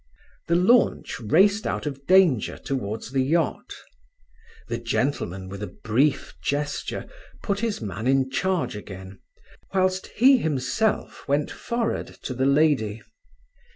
The launch raced out of danger towards the yacht. The gentleman, with a brief gesture, put his man in charge again, whilst he himself went forward to the lady.